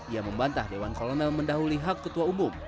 ia membantah dewan kolonel mendahului hak ketua umum